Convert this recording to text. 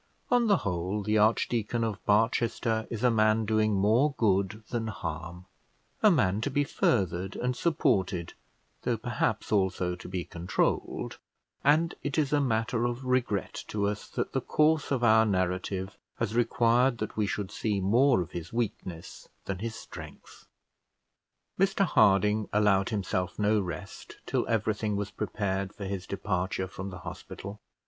On the whole, the Archdeacon of Barchester is a man doing more good than harm, a man to be furthered and supported, though perhaps also to be controlled; and it is matter of regret to us that the course of our narrative has required that we should see more of his weakness than his strength. Mr Harding allowed himself no rest till everything was prepared for his departure from the hospital.